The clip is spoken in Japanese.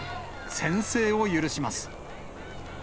先制を許します。